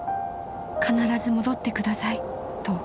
必ず戻ってくださいと］